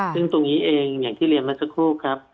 ซึ่งตรงนี้เองอย่างที่เรียนมาสักครู่ครับ